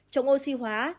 trống oxy hóa